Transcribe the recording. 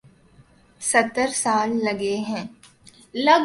ستر سال لگے ہیں۔